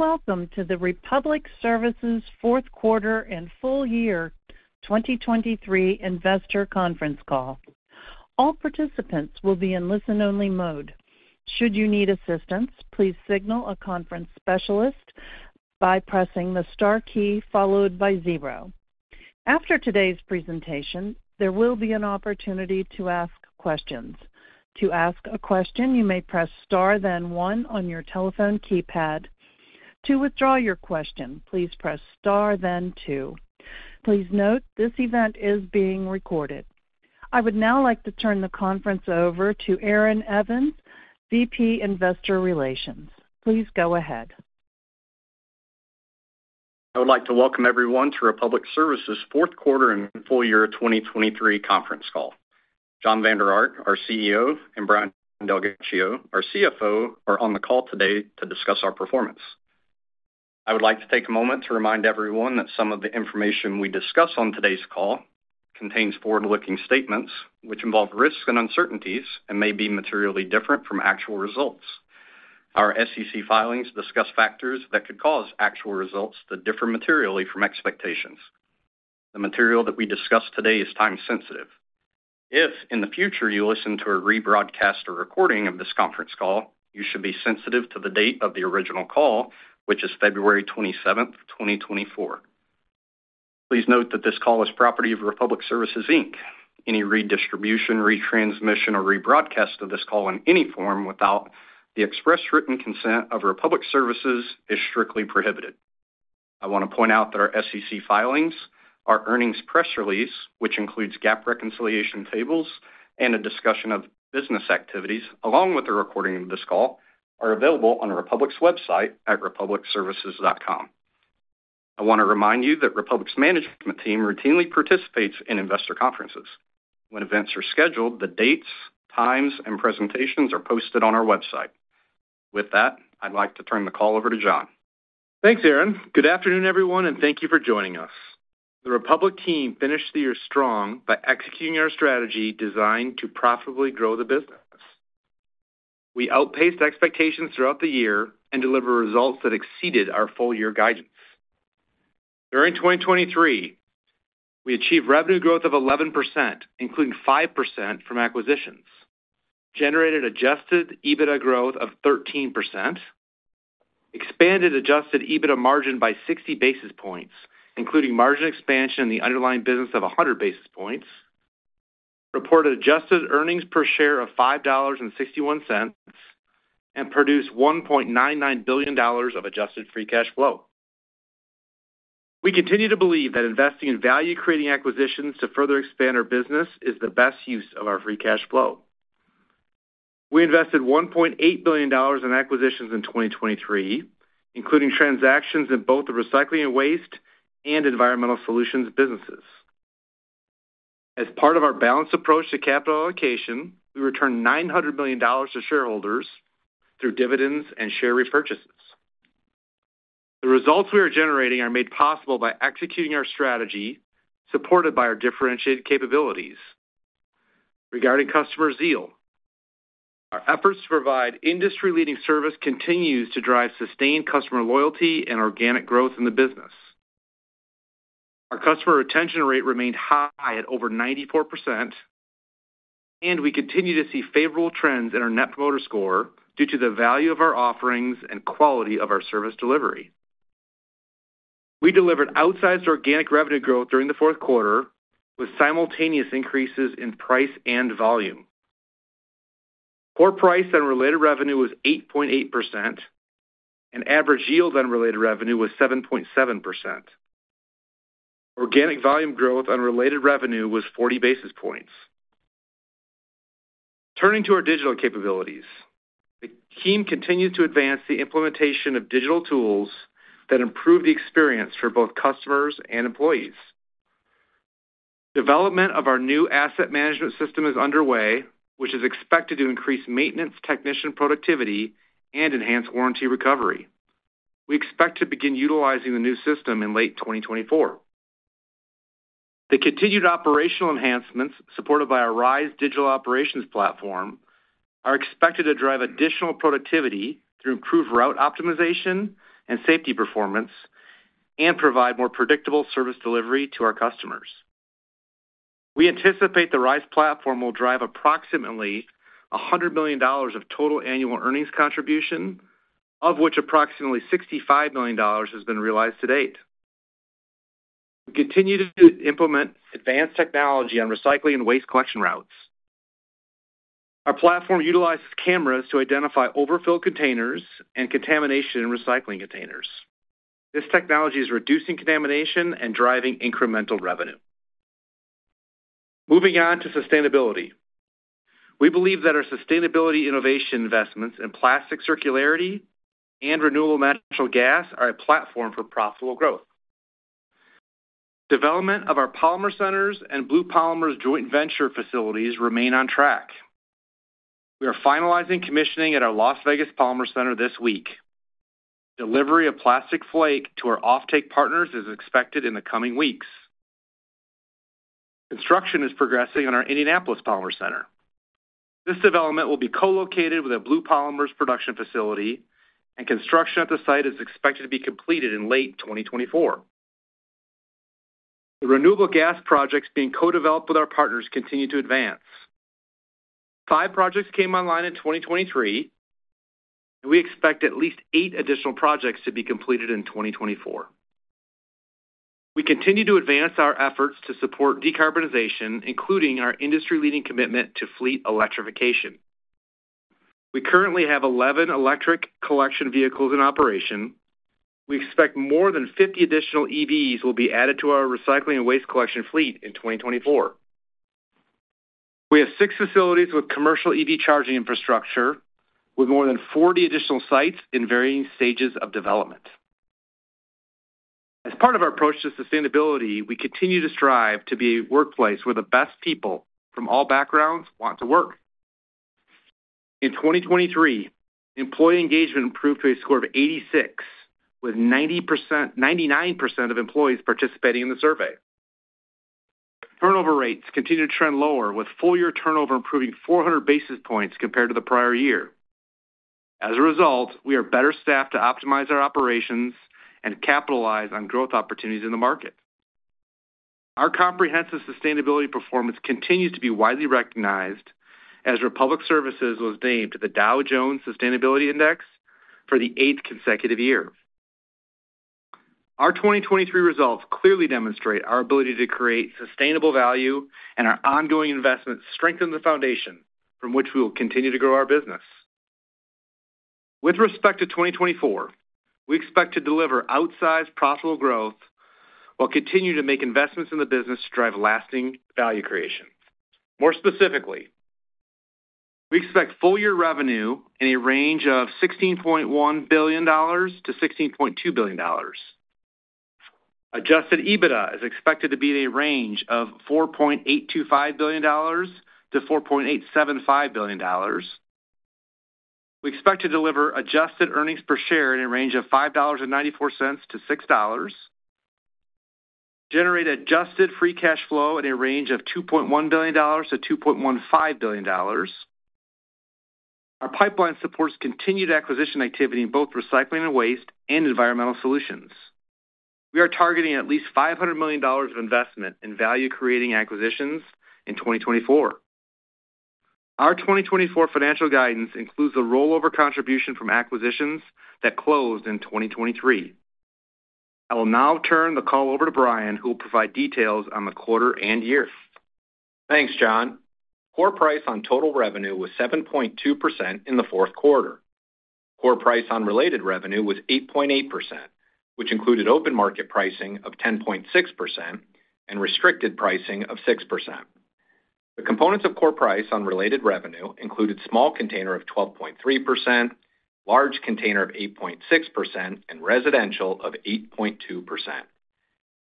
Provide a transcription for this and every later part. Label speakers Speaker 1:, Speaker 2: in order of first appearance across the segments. Speaker 1: Welcome to the Republic Services Fourth Quarter and Full Year 2023 Investor Conference Call. All participants will be in listen-only mode. Should you need assistance, please signal a conference specialist by pressing the star key, followed by zero. After today's presentation, there will be an opportunity to ask questions. To ask a question, you may press Star, then one on your telephone keypad. To withdraw your question, please press Star, then two. Please note, this event is being recorded. I would now like to turn the conference over to Aaron Evans, VP, Investor Relations. Please go ahead.
Speaker 2: I would like to welcome everyone to Republic Services fourth quarter and full year 2023 conference call. Jon Vander Ark, our CEO, and Brian DelGhiaccio, our CFO, are on the call today to discuss our performance. I would like to take a moment to remind everyone that some of the information we discuss on today's call contains forward-looking statements, which involve risks and uncertainties and may be materially different from actual results. Our SEC filings discuss factors that could cause actual results to differ materially from expectations. The material that we discuss today is time-sensitive. If, in the future, you listen to a rebroadcast or recording of this conference call, you should be sensitive to the date of the original call, which is February 27, 2024. Please note that this call is property of Republic Services, Inc. Any redistribution, retransmission, or rebroadcast of this call in any form without the express written consent of Republic Services is strictly prohibited. I want to point out that our SEC filings, our earnings press release, which includes GAAP reconciliation tables and a discussion of business activities, along with a recording of this call, are available on Republic's website at republicservices.com. I want to remind you that Republic's management team routinely participates in investor conferences. When events are scheduled, the dates, times, and presentations are posted on our website. With that, I'd like to turn the call over to Jon.
Speaker 3: Thanks, Aaron. Good afternoon, everyone, and thank you for joining us. The Republic team finished the year strong by executing our strategy designed to profitably grow the business. We outpaced expectations throughout the year and delivered results that exceeded our full-year guidance. During 2023, we achieved revenue growth of 11%, including 5% from acquisitions, generated adjusted EBITDA growth of 13%, expanded adjusted EBITDA margin by 60 basis points, including margin expansion in the underlying business of 100 basis points, reported adjusted earnings per share of $5.61, and produced $1.99 billion of adjusted free cash flow. We continue to believe that investing in value-creating acquisitions to further expand our business is the best use of our free cash flow. We invested $1.8 billion in acquisitions in 2023, including transactions in both the recycling and waste and environmental solutions businesses. As part of our balanced approach to capital allocation, we returned $900 million to shareholders through dividends and share repurchases. The results we are generating are made possible by executing our strategy, supported by our differentiated capabilities. Regarding customer zeal, our efforts to provide industry-leading service continues to drive sustained customer loyalty and organic growth in the business. Our customer retention rate remained high at over 94%, and we continue to see favorable trends in our Net Promoter Score due to the value of our offerings and quality of our service delivery. We delivered outsized organic revenue growth during the fourth quarter, with simultaneous increases in price and volume. Core price on related revenue was 8.8%, and average yields on related revenue was 7.7%. Organic volume growth on related revenue was 40 basis points. Turning to our digital capabilities, the team continued to advance the implementation of digital tools that improve the experience for both customers and employees. Development of our new asset management system is underway, which is expected to increase maintenance technician productivity and enhance warranty recovery. We expect to begin utilizing the new system in late 2024. The continued operational enhancements, supported by our RISE digital operations platform, are expected to drive additional productivity through improved route optimization and safety performance and provide more predictable service delivery to our customers. We anticipate the RISE platform will drive approximately $100 million of total annual earnings contribution, of which approximately $65 million has been realized to date. We continue to implement advanced technology on recycling and waste collection routes. Our platform utilizes cameras to identify overfilled containers and contamination in recycling containers. This technology is reducing contamination and driving incremental revenue. Moving on to sustainability. We believe that our sustainability innovation investments in plastic circularity and renewable natural gas are a platform for profitable growth. Development of our Polymer Centers and Blue Polymers joint venture facilities remain on track. We are finalizing commissioning at our Las Vegas Polymer Center this week. Delivery of plastic flake to our offtake partners is expected in the coming weeks. Construction is progressing on our Indianapolis Polymer Center. This development will be co-located with a Blue Polymers production facility, and construction at the site is expected to be completed in late 2024. The renewable gas projects being co-developed with our partners continue to advance. Five projects came online in 2023, and we expect at least eight additional projects to be completed in 2024. We continue to advance our efforts to support decarbonization, including our industry-leading commitment to fleet electrification. We currently have 11 electric collection vehicles in operation. We expect more than 50 additional EVs will be added to our recycling and waste collection fleet in 2024. We have six facilities with commercial EV charging infrastructure, with more than 40 additional sites in varying stages of development. As part of our approach to sustainability, we continue to strive to be a workplace where the best people from all backgrounds want to work. In 2023, employee engagement improved to a score of 86, with 99% of employees participating in the survey. Turnover rates continue to trend lower, with full-year turnover improving 400 basis points compared to the prior year. As a result, we are better staffed to optimize our operations and capitalize on growth opportunities in the market. Our comprehensive sustainability performance continues to be widely recognized, as Republic Services was named to the Dow Jones Sustainability Index for the eighth consecutive year. Our 2023 results clearly demonstrate our ability to create sustainable value, and our ongoing investments strengthen the foundation from which we will continue to grow our business. With respect to 2024, we expect to deliver outsized profitable growth, while continuing to make investments in the business to drive lasting value creation. More specifically, we expect full-year revenue in a range of $16.1 billion-$16.2 billion. Adjusted EBITDA is expected to be in a range of $4.825 billion-$4.875 billion. We expect to deliver adjusted earnings per share in a range of $5.94-$6, generate adjusted free cash flow in a range of $2.1 billion-$2.15 billion. Our pipeline supports continued acquisition activity in both recycling and waste and environmental solutions. We are targeting at least $500 million of investment in value-creating acquisitions in 2024. Our 2024 financial guidance includes the rollover contribution from acquisitions that closed in 2023. I will now turn the call over to Brian, who will provide details on the quarter and year.
Speaker 4: Thanks, John. Core price on total revenue was 7.2% in the fourth quarter. Core price on related revenue was 8.8%, which included open market pricing of 10.6% and restricted pricing of 6%. The components of core price on related revenue included small container of 12.3%, large container of 8.6%, and residential of 8.2%.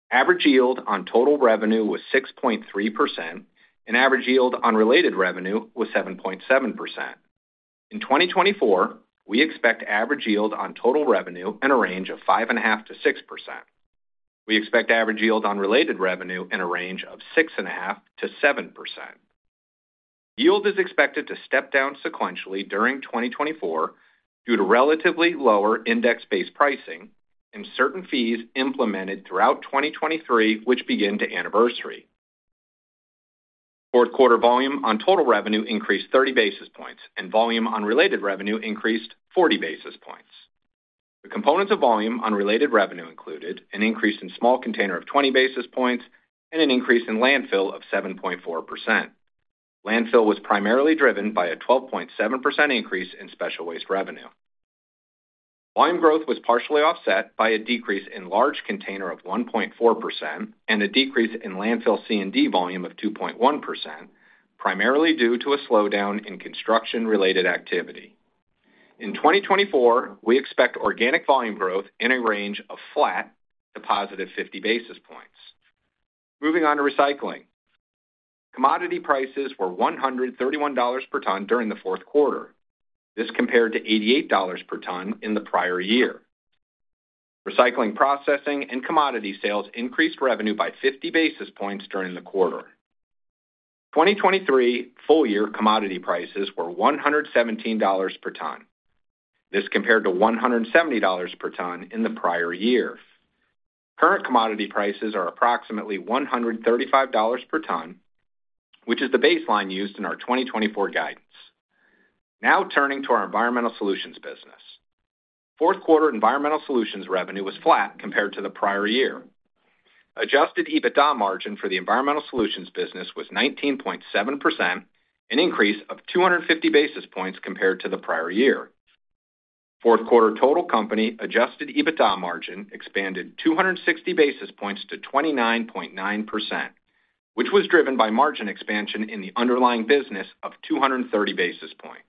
Speaker 4: Average yield on total revenue was 6.3%, and average yield on related revenue was 7.7%. In 2024, we expect average yield on total revenue in a range of 5.5%-6%. We expect average yield on related revenue in a range of 6.5%-7%. Yield is expected to step down sequentially during 2024 due to relatively lower index-based pricing and certain fees implemented throughout 2023, which begin to anniversary. Fourth quarter volume on total revenue increased 30 basis points, and volume on related revenue increased 40 basis points. The components of volume on related revenue included an increase in small container of 20 basis points and an increase in landfill of 7.4%. Landfill was primarily driven by a 12.7% increase in special waste revenue. Volume growth was partially offset by a decrease in large container of 1.4% and a decrease in landfill C&D volume of 2.1%, primarily due to a slowdown in construction-related activity. In 2024, we expect organic volume growth in a range of flat to positive 50 basis points. Moving on to recycling. Commodity prices were $131 per ton during the fourth quarter. This compared to $88 per ton in the prior year. Recycling, processing, and commodity sales increased revenue by 50 basis points during the quarter. 2023 full-year commodity prices were $117 per ton. This compared to $170 per ton in the prior year. Current commodity prices are approximately $135 per ton, which is the baseline used in our 2024 guidance. Now, turning to our environmental solutions business. Fourth quarter environmental solutions revenue was flat compared to the prior year. Adjusted EBITDA margin for the environmental solutions business was 19.7%, an increase of 250 basis points compared to the prior year. Fourth quarter total company adjusted EBITDA margin expanded 260 basis points to 29.9%, which was driven by margin expansion in the underlying business of 230 basis points.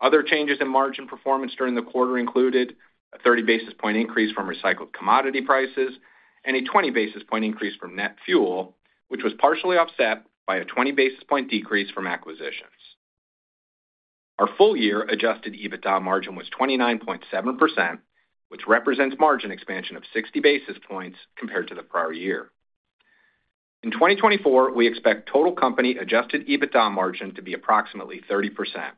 Speaker 4: Other changes in margin performance during the quarter included a 30 basis point increase from recycled commodity prices and a 20 basis point increase from net fuel, which was partially offset by a 20 basis point decrease from acquisition. Our full year adjusted EBITDA margin was 29.7%, which represents margin expansion of 60 basis points compared to the prior year. In 2024, we expect total company adjusted EBITDA margin to be approximately 30%.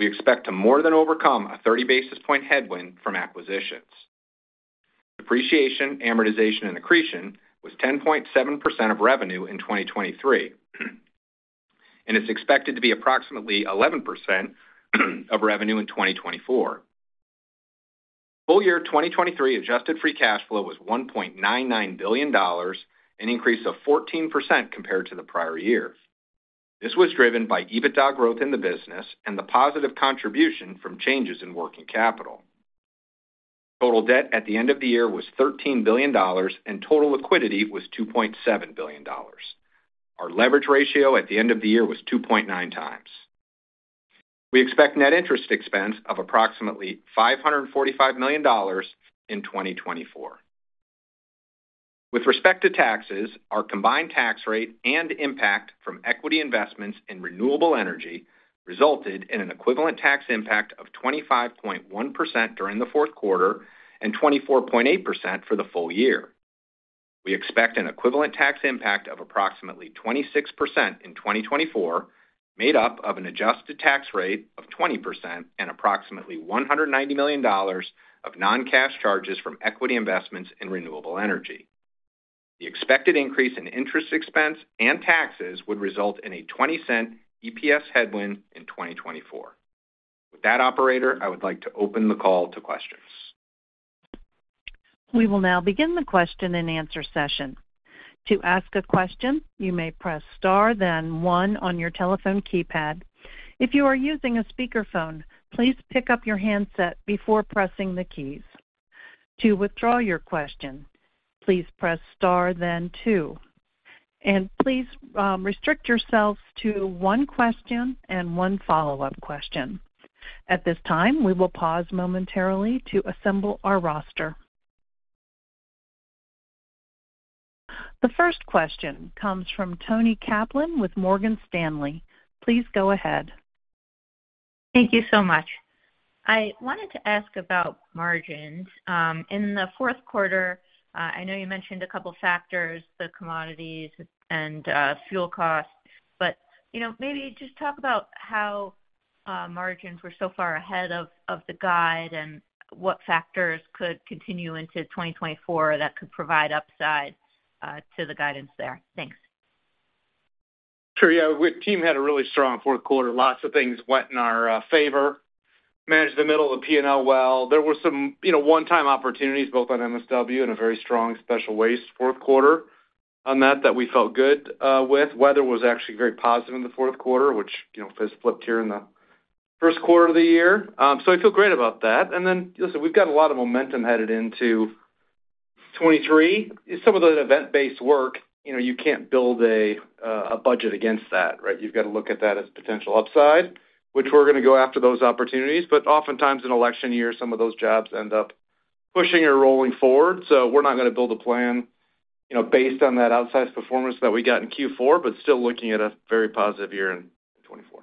Speaker 4: We expect to more than overcome a 30 basis point headwind from acquisitions. Depreciation, amortization, and accretion was 10.7% of revenue in 2023, and it's expected to be approximately 11% of revenue in 2024. Full year 2023 adjusted free cash flow was $1.99 billion, an increase of 14% compared to the prior year. This was driven by EBITDA growth in the business and the positive contribution from changes in working capital. Total debt at the end of the year was $13 billion, and total liquidity was $2.7 billion. Our leverage ratio at the end of the year was 2.9 times. We expect net interest expense of approximately $545 million in 2024. With respect to taxes, our combined tax rate and impact from equity investments in renewable energy resulted in an equivalent tax impact of 25.1% during the fourth quarter and 24.8% for the full year. We expect an equivalent tax impact of approximately 26% in 2024, made up of an adjusted tax rate of 20% and approximately $190 million of non-cash charges from equity investments in renewable energy. The expected increase in interest expense and taxes would result in a $0.20 EPS headwind in 2024. With that, operator, I would like to open the call to questions.
Speaker 1: We will now begin the question and answer session. To ask a question, you may press star then one on your telephone keypad. If you are using a speakerphone, please pick up your handset before pressing the keys. To withdraw your question, please press star then two, and please, restrict yourselves to one question and one follow-up question. At this time, we will pause momentarily to assemble our roster. The first question comes from Toni Kaplan with Morgan Stanley. Please go ahead.
Speaker 5: Thank you so much. I wanted to ask about margins. In the fourth quarter, I know you mentioned a couple factors, the commodities and fuel costs. But, you know, maybe just talk about how margins were so far ahead of the guide, and what factors could continue into 2024 that could provide upside to the guidance there? Thanks.
Speaker 3: Sure, yeah. Our team had a really strong fourth quarter. Lots of things went in our favor. Managed the middle of the P&L well. There were some, you know, one-time opportunities, both on MSW and a very strong special waste fourth quarter on that, that we felt good with. Weather was actually very positive in the fourth quarter, which, you know, has flipped here in the first quarter of the year. So I feel great about that. And then, listen, we've got a lot of momentum headed into 2023. Some of the event-based work, you know, you can't build a budget against that, right? You've gotta look at that as potential upside, which we're gonna go after those opportunities, but oftentimes in an election year, some of those jobs end up pushing or rolling forward. We're not gonna build a plan, you know, based on that outsized performance that we got in Q4, but still looking at a very positive year in 2024.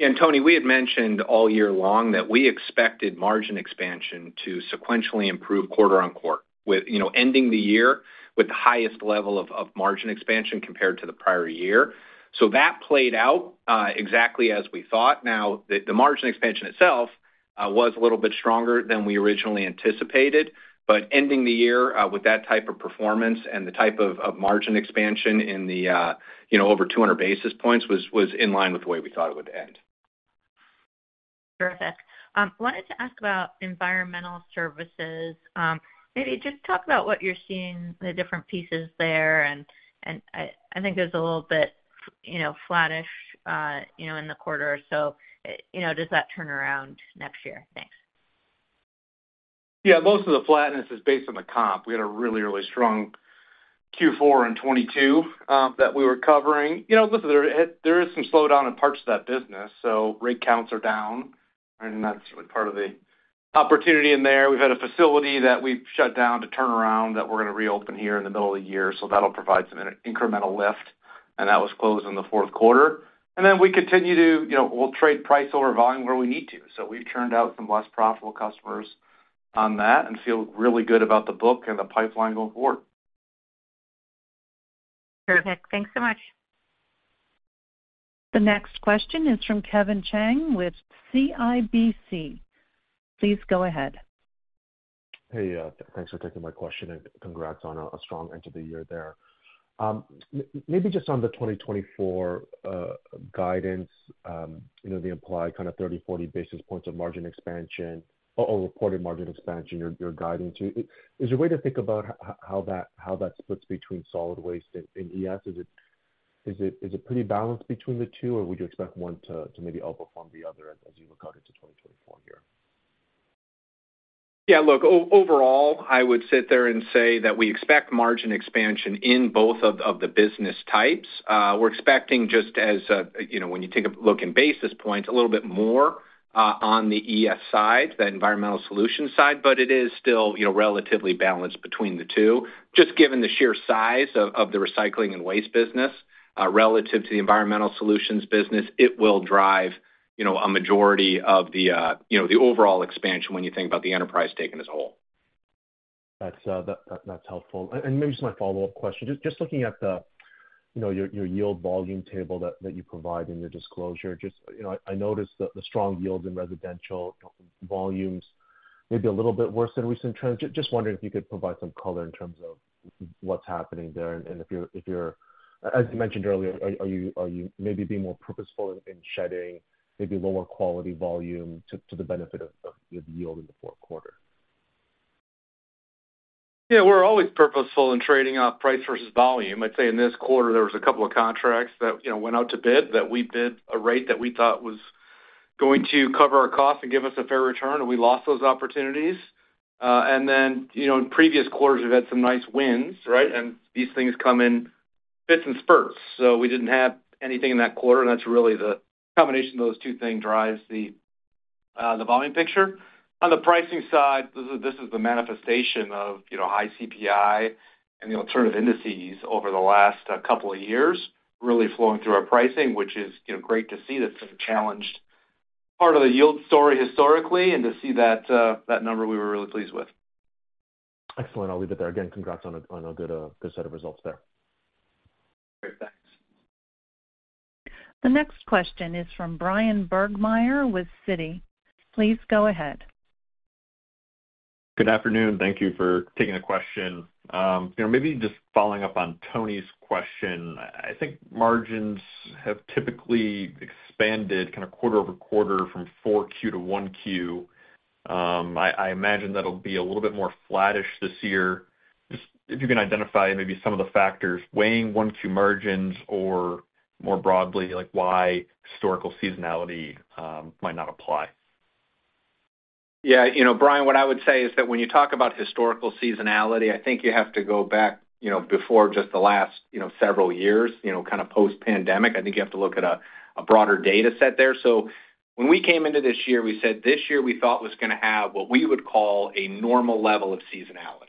Speaker 4: And Toni, we had mentioned all year long that we expected margin expansion to sequentially improve quarter-over-quarter, with, you know, ending the year with the highest level of margin expansion compared to the prior year. So that played out exactly as we thought. Now, the margin expansion itself was a little bit stronger than we originally anticipated, but ending the year with that type of performance and the type of margin expansion in the, you know, over 200 basis points, was in line with the way we thought it would end.
Speaker 5: Terrific. Wanted to ask about environmental services. Maybe just talk about what you're seeing, the different pieces there, and I think it was a little bit, you know, flattish, you know, in the quarter. So, you know, does that turn around next year? Thanks.
Speaker 3: Yeah, most of the flatness is based on the comp. We had a really, really strong Q4 in 2022 that we were covering. You know, listen, there is some slowdown in parts of that business, so rig counts are down, and that's part of the opportunity in there. We've had a facility that we've shut down to turn around, that we're gonna reopen here in the middle of the year, so that'll provide some incremental lift, and that was closed in the fourth quarter. And then we continue to, you know, we'll trade price over volume where we need to. So we've turned out some less profitable customers on that and feel really good about the book and the pipeline going forward.
Speaker 5: Terrific. Thanks so much.
Speaker 1: The next question is from Kevin Chiang with CIBC. Please go ahead.
Speaker 6: Hey, thanks for taking my question, and congrats on a strong end to the year there. Maybe just on the 2024 guidance, you know, the implied kind of 30-40 basis points of margin expansion or reported margin expansion you're guiding to. Is there a way to think about how that splits between solid waste and ES? Is it pretty balanced between the two, or would you expect one to maybe outperform the other as you look out into 2024 here?
Speaker 4: Yeah, look, overall, I would sit there and say that we expect margin expansion in both of the business types. We're expecting just as, you know, when you take a look in basis points, a little bit more on the ES side, the environmental solutions side, but it is still, you know, relatively balanced between the two. Just given the sheer size of the recycling and waste business relative to the environmental solutions business, it will drive, you know, a majority of the overall expansion when you think about the enterprise taken as a whole.
Speaker 6: That's helpful. And maybe just my follow-up question. Just looking at the, you know, your yield volume table that you provide in your disclosure, just, you know, I noticed that the strong yields in residential volumes may be a little bit worse than recent trends. Just wondering if you could provide some color in terms of what's happening there, and if you're, as you mentioned earlier, are you maybe being more purposeful in shedding maybe lower quality volume to the benefit of the yield in the fourth quarter?
Speaker 3: Yeah, we're always purposeful in trading off price versus volume. I'd say in this quarter, there was a couple of contracts that, you know, went out to bid, that we bid a rate that we thought was going to cover our cost and give us a fair return, and we lost those opportunities. And then, you know, in previous quarters, we've had some nice wins, right? And these things come in fits and spurts. So we didn't have anything in that quarter, and that's really the combination of those two things drives the, the volume picture. On the pricing side, this is, this is the manifestation of, you know, high CPI and the alternative indices over the last couple of years really flowing through our pricing, which is, you know, great to see. That's a challenged part of the yield story historically, and to see that, that number, we were really pleased with.
Speaker 6: Excellent. I'll leave it there. Again, congrats on a good set of results there.
Speaker 4: Great. Thanks.
Speaker 1: The next question is from Brian Burgmeier with Citi. Please go ahead.
Speaker 7: Good afternoon. Thank you for taking the question. You know, maybe just following up on Tony's question, I think margins have typically expanded kind of quarter over quarter from Q4 to Q1. I imagine that'll be a little bit more flattish this year. Just if you can identify maybe some of the factors weighing Q1, Q2 margins, or more broadly, like, why historical seasonality might not apply.
Speaker 4: Yeah, you know, Brian, what I would say is that when you talk about historical seasonality, I think you have to go back, you know, before just the last, you know, several years, you know, kind of post-pandemic. I think you have to look at a broader data set there. So when we came into this year, we said, this year, we thought was gonna have what we would call a normal level of seasonality.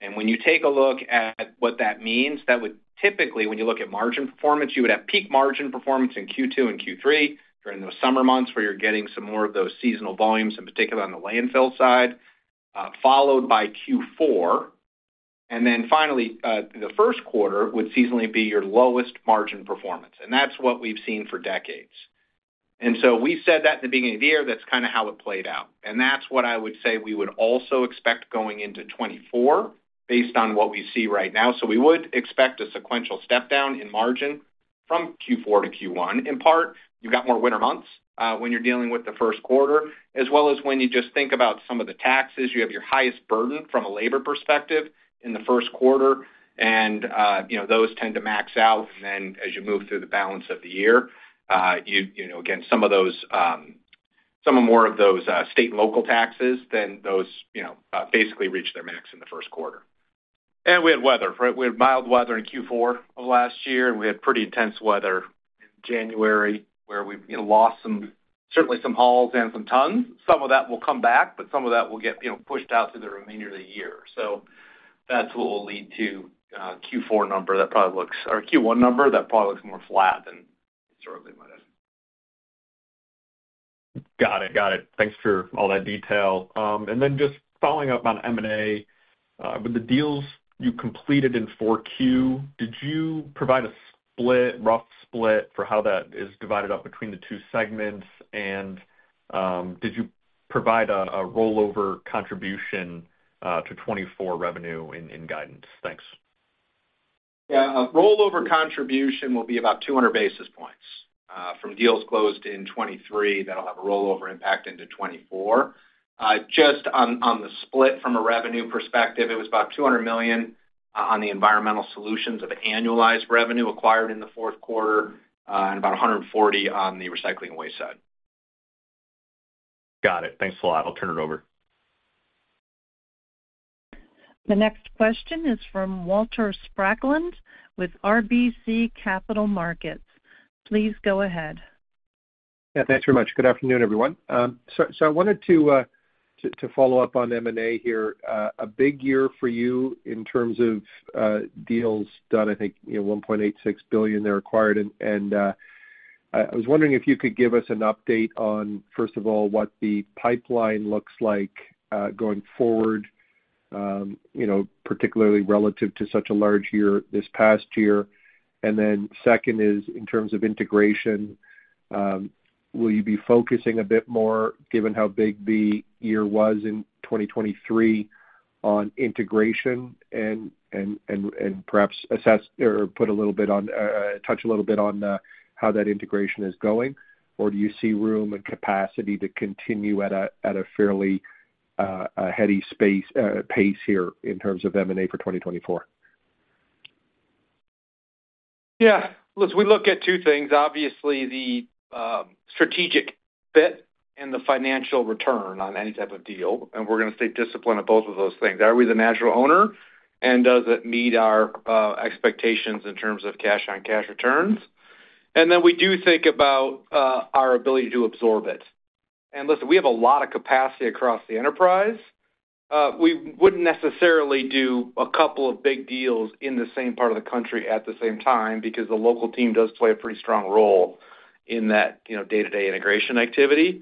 Speaker 4: And when you take a look at what that means, that would typically, when you look at margin performance, you would have peak margin performance in Q2 and Q3, during those summer months, where you're getting some more of those seasonal volumes, in particular on the landfill side, followed by Q4. And then finally, the first quarter would seasonally be your lowest margin performance, and that's what we've seen for decades. We said that in the beginning of the year, that's kind of how it played out. And that's what I would say we would also expect going into 2024, based on what we see right now. So we would expect a sequential step down in margin from Q4 to Q1. In part, you've got more winter months, when you're dealing with the first quarter, as well as when you just think about some of the taxes, you have your highest burden from a labor perspective in the first quarter, and, you know, those tend to max out. And then as you move through the balance of the year, you know, again, some of those, some are more of those, state and local taxes, then those, you know, basically reach their max in the first quarter.
Speaker 3: And we had weather, right? We had mild weather in Q4 of last year, and we had pretty intense weather in January, where we, you know, lost some, certainly some hauls and some tons. Some of that will come back, but some of that will get, you know, pushed out through the remainder of the year. So that's what will lead to a Q4 number that probably looks or Q1 number, that probably looks more flat than certainly might have.
Speaker 7: Got it. Got it. Thanks for all that detail. And then just following up on M&A. With the deals you completed in Q4, did you provide a split, rough split for how that is divided up between the two segments? And, did you provide a rollover contribution to 2024 revenue in guidance? Thanks.
Speaker 4: Yeah. A rollover contribution will be about 200 basis points from deals closed in 2023. That'll have a rollover impact into 2024. Just on the split from a revenue perspective, it was about $200 million on the environmental solutions of annualized revenue acquired in the fourth quarter, and about $140 million on the recycling waste side.
Speaker 7: Got it. Thanks a lot. I'll turn it over.
Speaker 1: The next question is from Walter Spracklin with RBC Capital Markets. Please go ahead.
Speaker 8: Yeah, thanks very much. Good afternoon, everyone. So, I wanted to up on follow up on M&A here. A big year for you in terms of deals done, I think, you know, $1.86 billion there acquired, and I was wondering if you could give us an update on, first of all, what the pipeline looks like going forward, you know, particularly relative to such a large year, this past year. And then second is, in terms of integration, will you be focusing a bit more, given how big the year was in 2023, on integration and perhaps assess or put a little bit on, touch a little bit on how that integration is going? Or do you see room and capacity to continue at a fairly heady pace here in terms of M&A for 2024?
Speaker 3: Yeah. Listen, we look at two things: obviously, the strategic fit and the financial return on any type of deal, and we're gonna stay disciplined at both of those things. Are we the natural owner, and does it meet our expectations in terms of cash-on-cash returns?...And then we do think about our ability to absorb it. And listen, we have a lot of capacity across the enterprise. We wouldn't necessarily do a couple of big deals in the same part of the country at the same time, because the local team does play a pretty strong role in that, you know, day-to-day integration activity.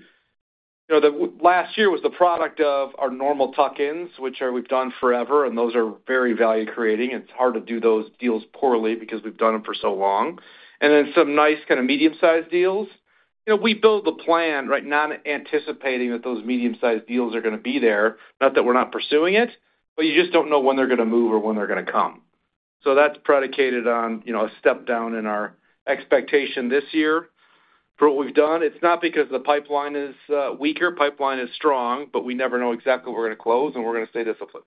Speaker 3: You know, the last year was the product of our normal tuck-ins, which are, we've done forever, and those are very value creating, it's hard to do those deals poorly because we've done them for so long. And then some nice kind of medium-sized deals. You know, we build the plan, right, not anticipating that those medium-sized deals are gonna be there, not that we're not pursuing it, but you just don't know when they're gonna move or when they're gonna come. So that's predicated on, you know, a step down in our expectation this year for what we've done. It's not because the pipeline is weaker. Pipeline is strong, but we never know exactly what we're gonna close, and we're gonna stay disciplined.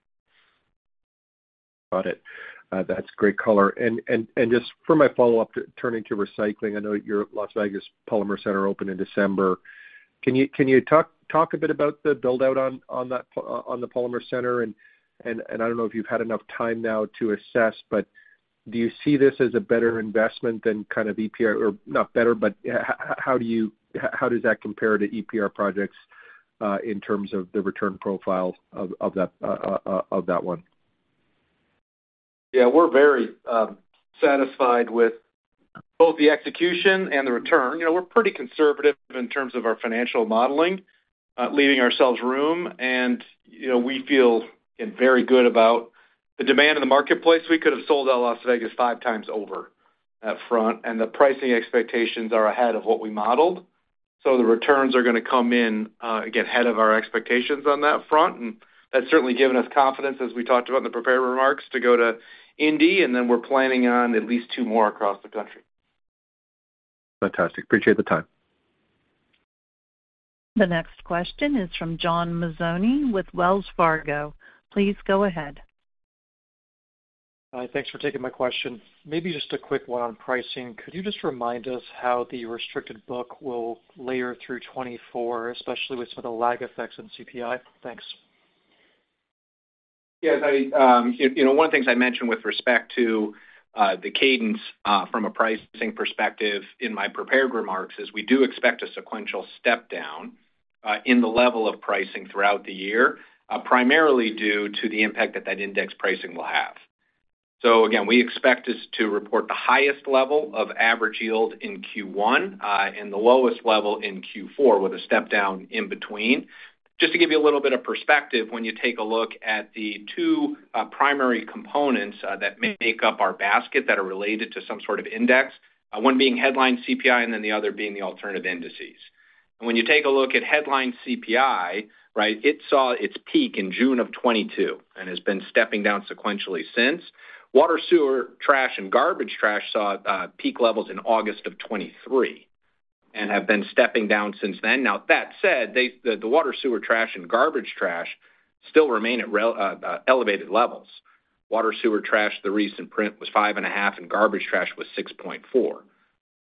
Speaker 8: Got it. That's great color. And just for my follow-up, turning to recycling, I know your Las Vegas Polymer Center opened in December. Can you talk a bit about the build-out on that, on the Polymer Center? And I don't know if you've had enough time now to assess, but do you see this as a better investment than kind of EPR... Or not better, but how do you, how does that compare to EPR projects in terms of the return profile of that one?
Speaker 3: Yeah, we're very satisfied with both the execution and the return. You know, we're pretty conservative in terms of our financial modeling, leaving ourselves room, and, you know, we feel, again, very good about the demand in the marketplace. We could have sold out Las Vegas five times over up front, and the pricing expectations are ahead of what we modeled. So the returns are gonna come in, again, ahead of our expectations on that front, and that's certainly given us confidence, as we talked about in the prepared remarks, to go to Indy, and then we're planning on at least two more across the country.
Speaker 8: Fantastic. Appreciate the time.
Speaker 1: The next question is from John Mazzoni with Wells Fargo. Please go ahead.
Speaker 9: Hi, thanks for taking my question. Maybe just a quick one on pricing. Could you just remind us how the restricted book will layer through 2024, especially with some of the lag effects in CPI? Thanks.
Speaker 4: Yes, I, you know, one of the things I mentioned with respect to the cadence from a pricing perspective in my prepared remarks is we do expect a sequential step down in the level of pricing throughout the year, primarily due to the impact that that index pricing will have. So again, we expect us to report the highest level of average yield in Q1 and the lowest level in Q4, with a step down in between. Just to give you a little bit of perspective, when you take a look at the two primary components that make up our basket that are related to some sort of index, one being headline CPI and then the other being the alternative indices. When you take a look at headline CPI, right, it saw its peak in June of 2022 and has been stepping down sequentially since. Water, Sewer, Trash, and Garbage Trash saw peak levels in August of 2023 and have been stepping down since then. Now, that said, the Water, Sewer, Trash, and Garbage Trash still remain at elevated levels. Water, Sewer, trash, the recent print was 5.5, and Garbage Trash was 6.4.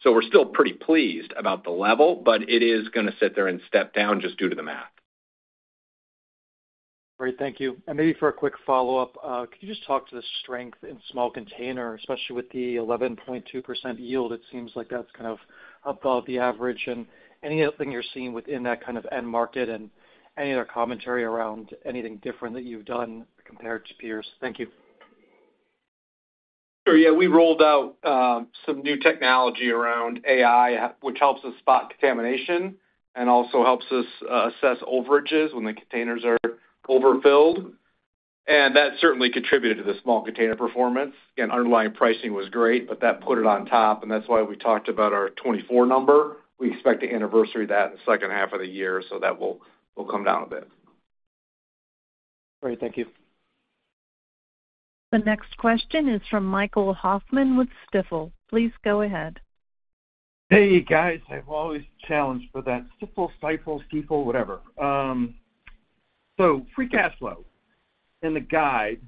Speaker 4: We're still pretty pleased about the level, but it is gonna sit there and step down just due to the math.
Speaker 9: Great, thank you. And maybe for a quick follow-up, could you just talk to the strength in small container, especially with the 11.2% yield? It seems like that's kind of above the average. And anything you're seeing within that kind of end market and any other commentary around anything different that you've done compared to peers? Thank you.
Speaker 3: Sure. Yeah, we rolled out some new technology around AI, which helps us spot contamination and also helps us assess overages when the containers are overfilled, and that certainly contributed to the small container performance. Again, underlying pricing was great, but that put it on top, and that's why we talked about our 2024 number. We expect to anniversary that in the second half of the year, so that will come down a bit.
Speaker 9: Great, thank you.
Speaker 1: The next question is from Michael Hoffman with Stifel. Please go ahead.
Speaker 10: Hey, guys. I've always challenged with that. Stifel, Stifel, Stifel, whatever. So free cash flow in the guide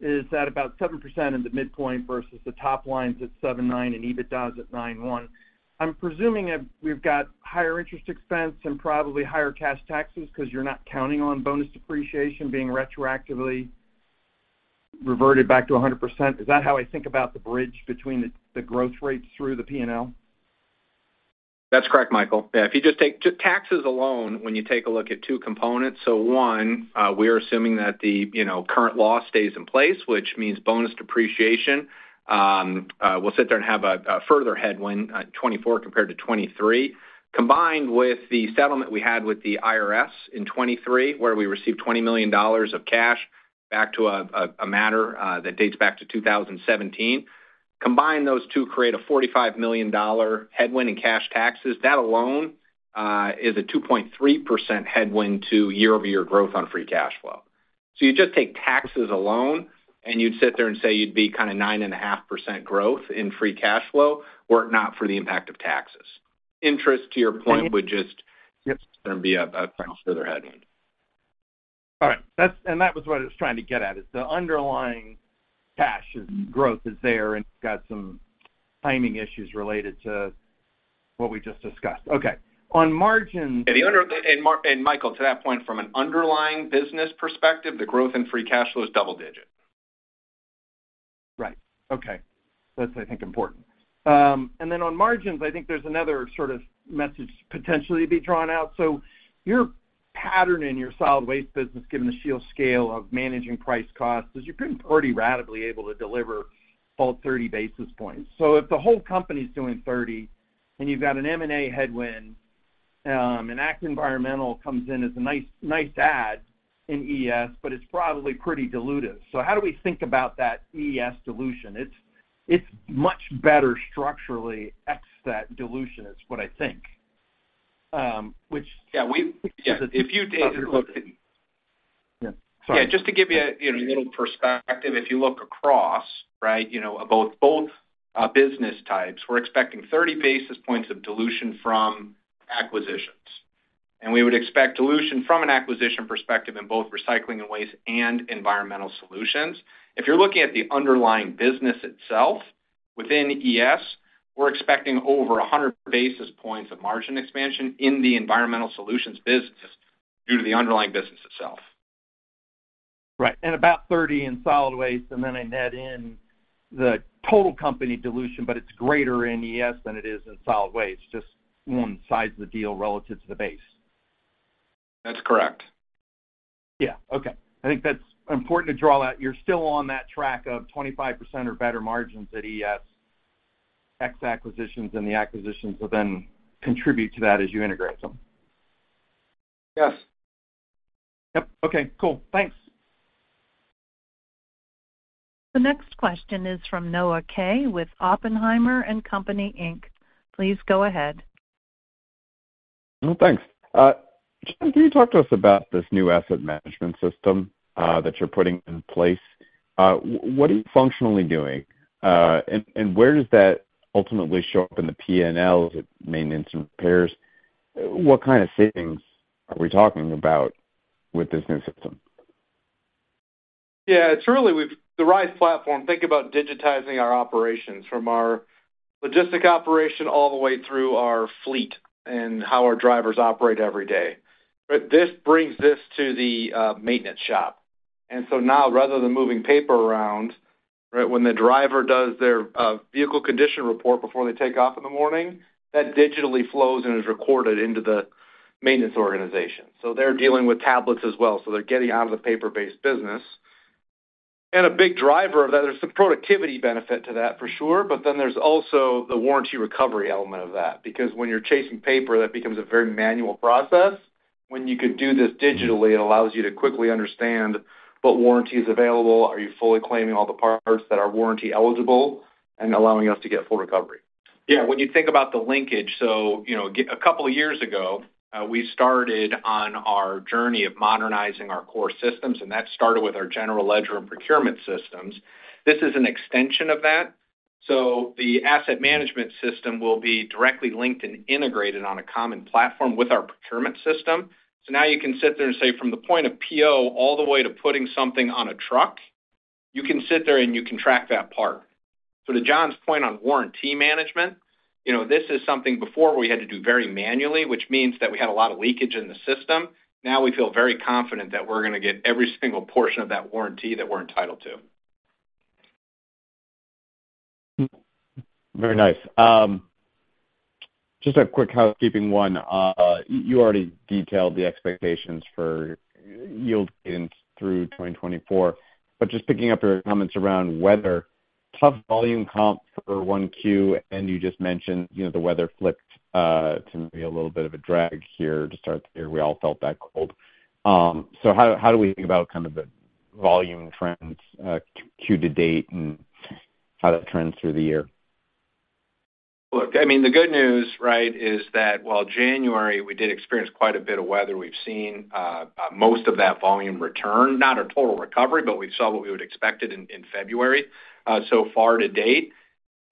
Speaker 10: is at about 7% in the midpoint versus the top line's at 7.9% and EBITDA's at 9.1%. I'm presuming that we've got higher interest expense and probably higher cash taxes, because you're not counting on bonus depreciation being retroactively reverted back to 100%. Is that how I think about the bridge between the growth rates through the P&L?
Speaker 4: That's correct, Michael. Yeah, if you just take just taxes alone, when you take a look at two components, so one, we're assuming that the, you know, current law stays in place, which means bonus depreciation will sit there and have a further headwind on 2024 compared to 2023, combined with the settlement we had with the IRS in 2023, where we received $20 million of cash back to a matter that dates back to 2017. Combine those two, create a $45 million headwind in cash taxes. That alone is a 2.3% headwind to year-over-year growth on free cash flow. So you just take taxes alone, and you'd sit there and say you'd be kind of 9.5% growth in free cash flow, were it not for the impact of taxes. Interest, to your point, would just-
Speaker 10: Yep.
Speaker 4: Gonna be a further headwind.
Speaker 10: All right. That's and that was what I was trying to get at, is the underlying cash growth is there, and it's got some timing issues related to what we just discussed. Okay, on margins-
Speaker 4: And Michael, to that point, from an underlying business perspective, the growth in free cash flow is double-digit....
Speaker 10: Right. Okay. That's, I think, important. And then on margins, I think there's another sort of message potentially to be drawn out. So your pattern in your solid waste business, given the sheer scale of managing price costs, is you've been pretty ratably able to deliver all 30 basis points. So if the whole company's doing 30, and you've got an M&A headwind, and ACT Environmental comes in as a nice, nice add in ES, but it's probably pretty dilutive. So how do we think about that ES dilution? It's, it's much better structurally, ex that dilution, is what I think, which-
Speaker 4: Yeah, we-
Speaker 10: Which is a-
Speaker 4: If you take a look at-
Speaker 10: Yeah, sorry.
Speaker 4: Yeah, just to give you, you know, a little perspective, if you look across, right, you know, both, both, business types, we're expecting 30 basis points of dilution from acquisitions. And we would expect dilution from an acquisition perspective in both recycling and waste and environmental solutions. If you're looking at the underlying business itself, within ES, we're expecting over 100 basis points of margin expansion in the environmental solutions business, due to the underlying business itself.
Speaker 10: Right, and about 30 in solid waste, and then I net in the total company dilution, but it's greater in ES than it is in solid waste, just the size of the deal relative to the base.
Speaker 4: That's correct.
Speaker 10: Yeah, okay. I think that's important to draw that you're still on that track of 25% or better margins at ES, ex acquisitions, and the acquisitions will then contribute to that as you integrate them.
Speaker 4: Yes.
Speaker 10: Yep, okay, cool. Thanks.
Speaker 1: The next question is from Noah Kaye with Oppenheimer & Company, Inc. Please go ahead.
Speaker 11: Well, thanks. John, can you talk to us about this new asset management system that you're putting in place? What are you functionally doing? And where does that ultimately show up in the PNL, is it maintenance and repairs? What kind of savings are we talking about with this new system?
Speaker 3: Yeah, truly, we've the RISE platform, think about digitizing our operations, from our logistic operation all the way through our fleet and how our drivers operate every day. But this brings this to the maintenance shop. And so now, rather than moving paper around, right, when the driver does their vehicle condition report before they take off in the morning, that digitally flows and is recorded into the maintenance organization. So they're dealing with tablets as well, so they're getting out of the paper-based business. And a big driver of that, there's some productivity benefit to that, for sure, but then there's also the warranty recovery element of that. Because when you're chasing paper, that becomes a very manual process. When you can do this digitally, it allows you to quickly understand what warranty is available, are you fully claiming all the parts that are warranty eligible, and allowing us to get full recovery.
Speaker 4: Yeah, when you think about the linkage, so you know, a couple of years ago, we started on our journey of modernizing our core systems, and that started with our general ledger and procurement systems. This is an extension of that. So the asset management system will be directly linked and integrated on a common platform with our procurement system. So now you can sit there and say, from the point of PO all the way to putting something on a truck, you can sit there and you can track that part. To John's point on warranty management, you know, this is something before we had to do very manually, which means that we had a lot of leakage in the system. Now, we feel very confident that we're gonna get every single portion of that warranty that we're entitled to.
Speaker 11: Very nice. Just a quick housekeeping one. You already detailed the expectations for yield gains through 2024, but just picking up your comments around weather, tough volume comp for Q1, and you just mentioned, you know, the weather flipped, to be a little bit of a drag here to start the year. We all felt that cold. So how, how do we think about kind of the volume trends, Q to date, and how that trends through the year?
Speaker 4: Look, I mean, the good news, right, is that while January, we did experience quite a bit of weather, we've seen most of that volume return. Not a total recovery, but we saw what we would expect in February so far to date.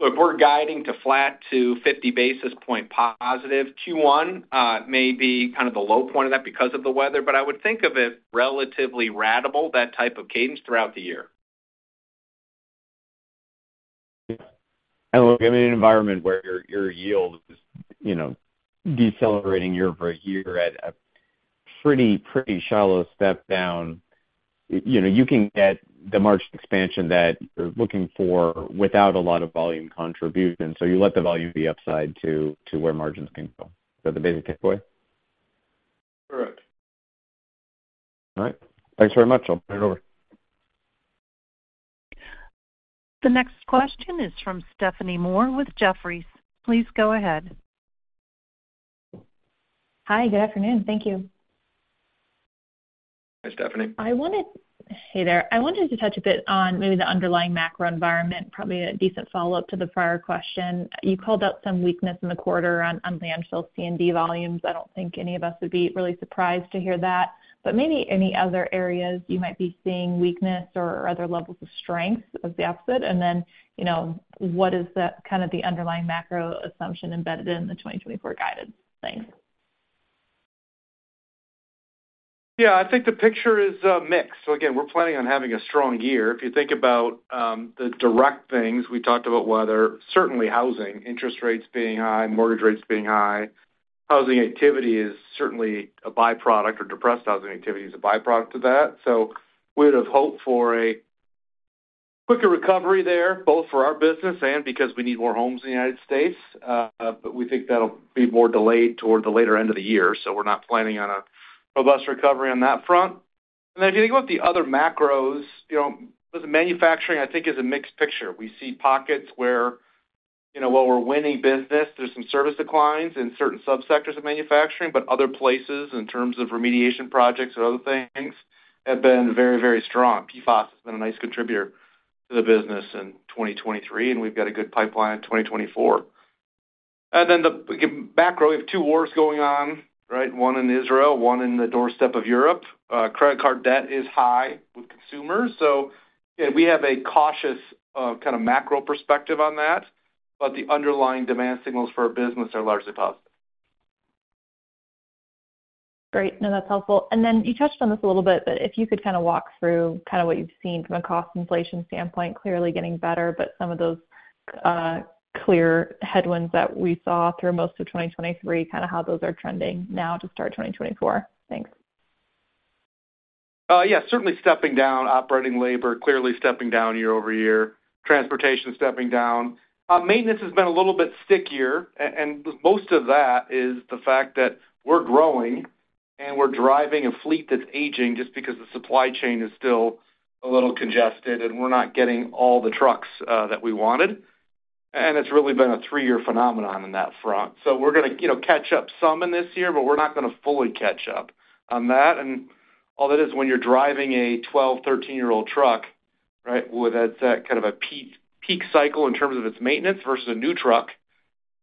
Speaker 4: Look, we're guiding to flat to 50 basis points positive Q1. May be kind of the low point of that because of the weather, but I would think of it relatively ratable, that type of cadence throughout the year.
Speaker 11: Yeah. And look, in an environment where your yield is, you know, decelerating year-over-year at a pretty shallow step down, you know, you can get the margin expansion that you're looking for without a lot of volume contribution. So you let the volume be upside to where margins can go. Is that the basic takeaway?
Speaker 3: Correct.
Speaker 11: All right. Thanks very much. I'll turn it over.
Speaker 1: The next question is from Stephanie Moore with Jefferies. Please go ahead.
Speaker 12: Hi, good afternoon. Thank you.
Speaker 4: Hi, Stephanie.
Speaker 12: Hey there. I wanted to touch a bit on maybe the underlying macro environment, probably a decent follow-up to the prior question. You called out some weakness in the quarter on landfill C&D volumes. I don't think any of us would be really surprised to hear that, but maybe any other areas you might be seeing weakness or other levels of strength of the opposite? And then, you know, what is the kind of the underlying macro assumption embedded in the 2024 guidance? Thanks.
Speaker 4: Yeah, I think the picture is mixed. So again, we're planning on having a strong year. If you think about the direct things, we talked about weather, certainly housing, interest rates being high, mortgage rates being high. ... housing activity is certainly a byproduct, or depressed housing activity is a byproduct of that. So we would have hoped for a quicker recovery there, both for our business and because we need more homes in the United States. But we think that'll be more delayed toward the later end of the year, so we're not planning on a robust recovery on that front. And then if you think about the other macros, you know, the manufacturing, I think, is a mixed picture. We see pockets where, you know, while we're winning business, there's some service declines in certain subsectors of manufacturing, but other places, in terms of remediation projects and other things, have been very, very strong. PFAS has been a nice contributor to the business in 2023, and we've got a good pipeline in 2024. And then, again, the macro, we have two wars going on, right? One in Israel, one on the doorstep of Europe. Credit card debt is high with consumers. So we have a cautious, kind of macro perspective on that, but the underlying demand signals for our business are largely positive.
Speaker 12: Great. No, that's helpful. Then you touched on this a little bit, but if you could kind of walk through kind of what you've seen from a cost inflation standpoint, clearly getting better, but some of those clear headwinds that we saw through most of 2023, kind of how those are trending now to start 2024? Thanks.
Speaker 4: Yeah, certainly stepping down: operating labor clearly stepping down year-over-year. Transportation stepping down. Maintenance has been a little bit stickier, and most of that is the fact that we're growing, and we're driving a fleet that's aging just because the supply chain is still a little congested, and we're not getting all the trucks that we wanted. And it's really been a three-year phenomenon on that front. So we're gonna, you know, catch up some in this year, but we're not gonna fully catch up on that. And all that is, when you're driving a 12-, 13-year-old truck, right? Well, that's at kind of a peak, peak cycle in terms of its maintenance versus a new truck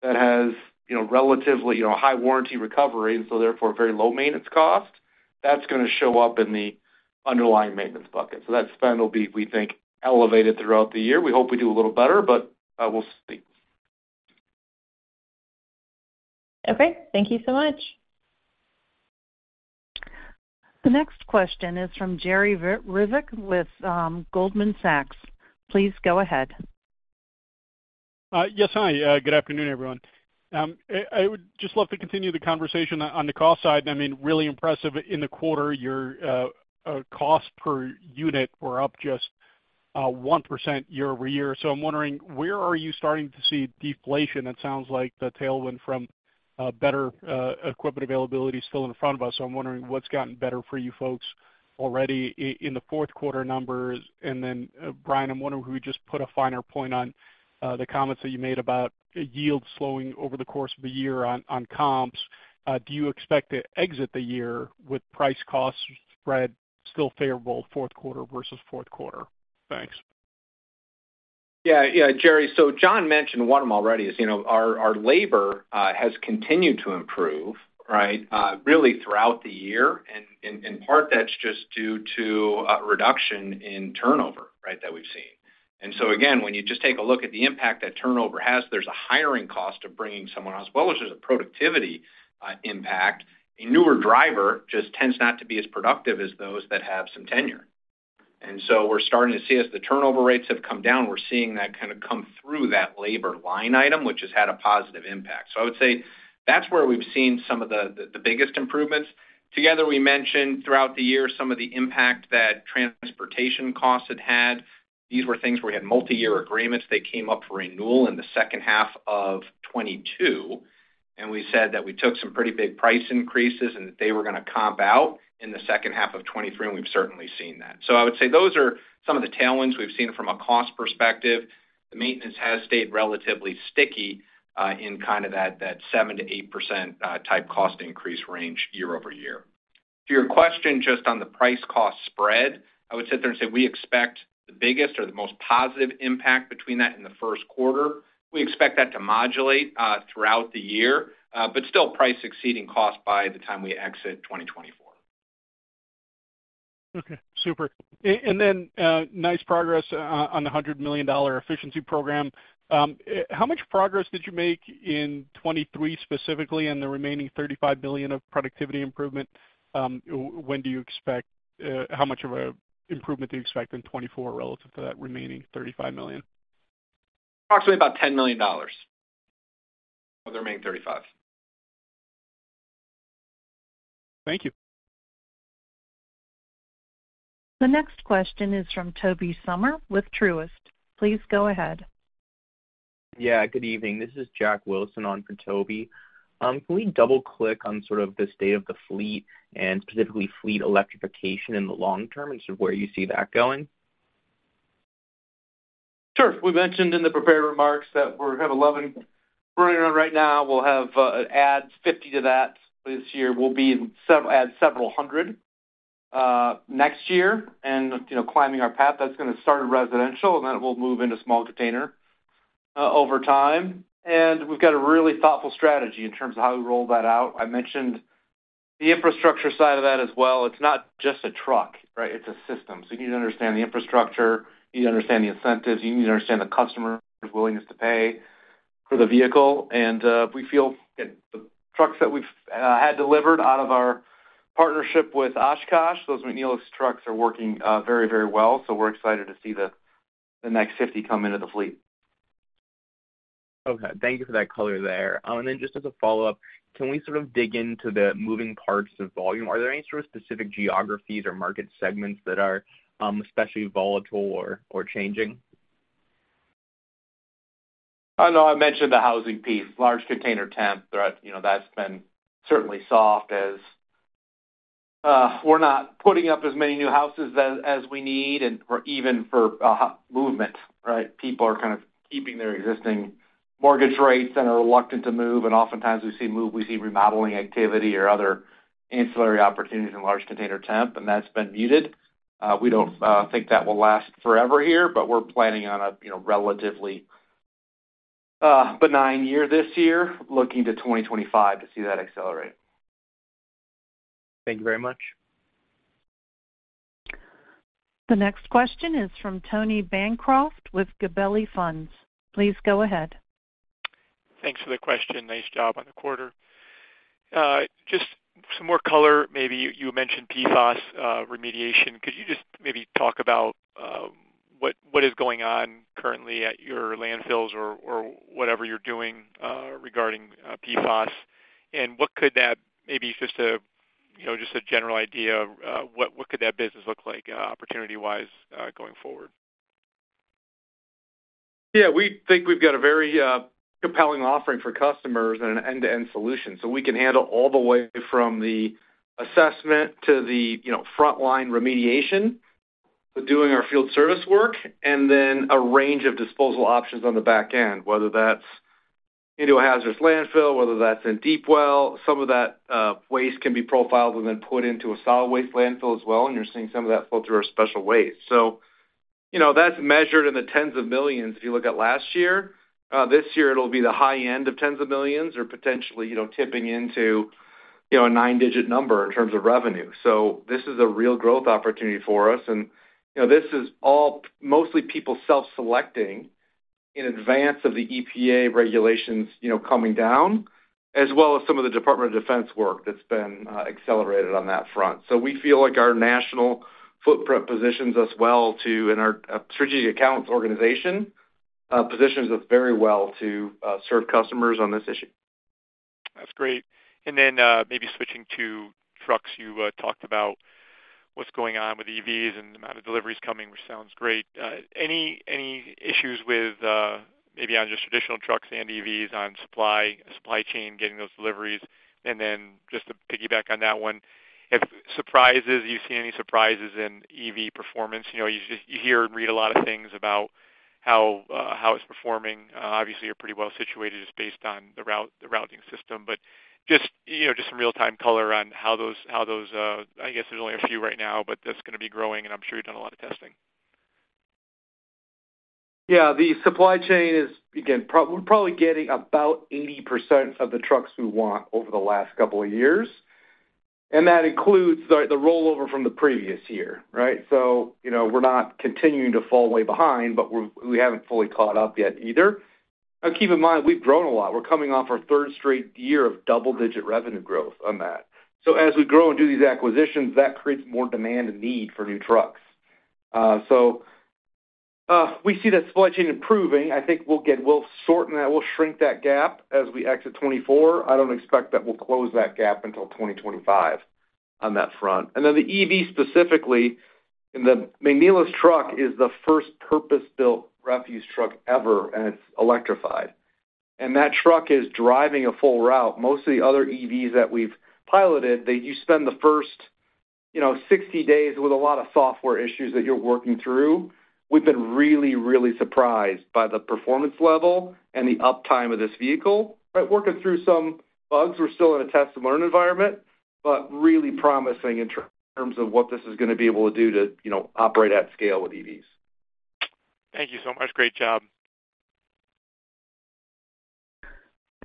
Speaker 4: that has, you know, relatively, you know, high warranty recovery, and so therefore, very low maintenance cost. That's gonna show up in the underlying maintenance bucket. So that spend will be, we think, elevated throughout the year. We hope we do a little better, but, we'll see.
Speaker 12: Okay, thank you so much.
Speaker 1: The next question is from Jerry Revich with Goldman Sachs. Please go ahead.
Speaker 13: Yes, hi. Good afternoon, everyone. I would just love to continue the conversation on the cost side. I mean, really impressive in the quarter, your cost per unit were up just 1% year-over-year. So I'm wondering, where are you starting to see deflation? It sounds like the tailwind from better equipment availability is still in front of us, so I'm wondering what's gotten better for you folks already in the fourth quarter numbers. And then, Brian, I'm wondering if we could just put a finer point on the comments that you made about yield slowing over the course of a year on comps. Do you expect to exit the year with price cost spread still favorable fourth quarter versus fourth quarter? Thanks.
Speaker 4: Yeah. Yeah, Jerry, so John mentioned one of them already is, you know, our labor has continued to improve, right, really throughout the year. And in part, that's just due to a reduction in turnover, right, that we've seen. And so again, when you just take a look at the impact that turnover has, there's a hiring cost of bringing someone on, as well as there's a productivity impact. A newer driver just tends not to be as productive as those that have some tenure. And so we're starting to see as the turnover rates have come down, we're seeing that kind of come through that labor line item, which has had a positive impact. So I would say that's where we've seen some of the biggest improvements. Together, we mentioned throughout the year some of the impact that transportation costs had had. These were things where we had multiyear agreements that came up for renewal in the second half of 2022, and we said that we took some pretty big price increases, and that they were gonna comp out in the second half of 2023, and we've certainly seen that. So I would say those are some of the tailwinds we've seen from a cost perspective. The maintenance has stayed relatively sticky in kind of that seven to eight percent type cost increase range year-over-year. To your question, just on the price cost spread, I would sit there and say we expect the biggest or the most positive impact between that in the first quarter. We expect that to modulate throughout the year, but still price exceeding cost by the time we exit 2024.
Speaker 13: Okay, super. And then, nice progress on the $100 million efficiency program. How much progress did you make in 2023 specifically, and the remaining $35 million of productivity improvement, when do you expect... How much of a improvement do you expect in 2024 relative to that remaining $35 million?
Speaker 4: Approximately about $10 million of the remaining $35 million.
Speaker 13: Thank you.
Speaker 1: The next question is from Toby Sommer with Truist. Please go ahead.
Speaker 14: Yeah, good evening. This is Jack Wilson on for Toby. Can we double-click on sort of the state of the fleet and specifically fleet electrification in the long term, and sort of where you see that going?
Speaker 3: Sure. We mentioned in the prepared remarks that we have 11 running around right now. We'll have, add 50 to that this year. We'll be adding several hundred, next year and, you know, climbing our path. That's gonna start in residential, and then we'll move into small container, over time. And we've got a really thoughtful strategy in terms of how we roll that out. I mentioned the infrastructure side of that as well. It's not just a truck, right? It's a system. So you need to understand the infrastructure, you need to understand the incentives, you need to understand the customer's willingness to pay for the vehicle. And, we feel the trucks that we've, had delivered out of our partnership with Oshkosh, those McNeilus trucks are working, very, very well. So we're excited to see the-... The next 50 come into the fleet.
Speaker 14: Okay, thank you for that color there. And then just as a follow-up, can we sort of dig into the moving parts of volume? Are there any sort of specific geographies or market segments that are, especially volatile or changing?
Speaker 4: I know I mentioned the housing piece, large container temp, right? You know, that's been certainly soft as we're not putting up as many new houses as we need and or even for movement, right? People are kind of keeping their existing mortgage rates and are reluctant to move, and oftentimes we see move, we see remodeling activity or other ancillary opportunities in large container temp, and that's been muted. We don't think that will last forever here, but we're planning on a you know, relatively benign year this year, looking to 2025 to see that accelerate.
Speaker 14: Thank you very much.
Speaker 1: The next question is from Tony Bancroft with Gabelli Funds. Please go ahead.
Speaker 15: Thanks for the question. Nice job on the quarter. Just some more color, maybe you, you mentioned PFAS remediation. Could you just maybe talk about what, what is going on currently at your landfills or, or whatever you're doing regarding PFAS? And what could that maybe just a, you know, just a general idea of what, what could that business look like, opportunity-wise, going forward?
Speaker 3: Yeah, we think we've got a very, compelling offering for customers and an end-to-end solution. So we can handle all the way from the assessment to the, you know, frontline remediation, so doing our field service work, and then a range of disposal options on the back end, whether that's into a hazardous landfill, whether that's in deep well. Some of that, waste can be profiled and then put into a solid waste landfill as well, and you're seeing some of that flow through our special waste. So, you know, that's measured in the $10s of millions, if you look at last year. This year, it'll be the high end of $10s of millions or potentially, you know, tipping into, you know, a nine-digit number in terms of revenue. So this is a real growth opportunity for us. You know, this is all mostly people self-selecting in advance of the EPA regulations, you know, coming down, as well as some of the Department of Defense work that's been accelerated on that front. So we feel like our national footprint positions us well to, and our strategic accounts organization, positions us very well to serve customers on this issue.
Speaker 15: That's great. And then, maybe switching to trucks, you talked about what's going on with EVs and the amount of deliveries coming, which sounds great. Any issues with maybe on just traditional trucks and EVs on supply chain, getting those deliveries? And then just to piggyback on that one, any surprises you see in EV performance? You know, you just you hear and read a lot of things about how how it's performing. Obviously, you're pretty well situated just based on the route, the routing system, but just, you know, just some real-time color on how those, I guess there's only a few right now, but that's gonna be growing, and I'm sure you've done a lot of testing.
Speaker 3: Yeah, the supply chain is, again, probably getting about 80% of the trucks we want over the last couple of years, and that includes the rollover from the previous year, right? So, you know, we're not continuing to fall way behind, but we haven't fully caught up yet either. Now, keep in mind, we've grown a lot. We're coming off our third straight year of double-digit revenue growth on that. So as we grow and do these acquisitions, that creates more demand and need for new trucks. So, we see the supply chain improving. I think we'll shrink that gap as we exit 2024. I don't expect that we'll close that gap until 2025 on that front. And then the EV specifically, and the McNeilus truck is the first purpose-built refuse truck ever, and it's electrified. That truck is driving a full route. Most of the other EVs that we've piloted, they... You spend the first, you know, 60 days with a lot of software issues that you're working through. We've been really, really surprised by the performance level and the uptime of this vehicle. But working through some bugs, we're still in a test and learn environment, but really promising in terms of what this is gonna be able to do to, you know, operate at scale with EVs.
Speaker 15: Thank you so much. Great job.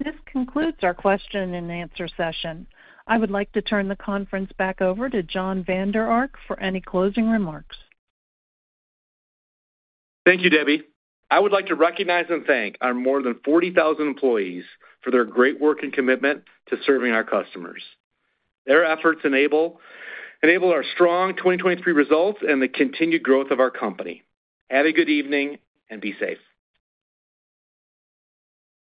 Speaker 1: This concludes our question-and-answer session. I would like to turn the conference back over to Jon Vander Ark for any closing remarks.
Speaker 3: Thank you, Debbie. I would like to recognize and thank our more than 40,000 employees for their great work and commitment to serving our customers. Their efforts enable our strong 2023 results and the continued growth of our company. Have a good evening, and be safe.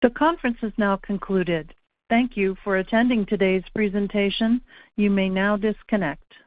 Speaker 1: The conference is now concluded. Thank you for attending today's presentation. You may now disconnect.